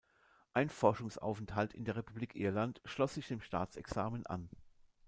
Ein Forschungsaufenthalt in der Republik Irland schloss sich dem Staatsexamen an.